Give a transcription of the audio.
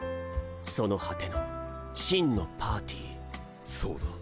その果ての真のパーティそうだ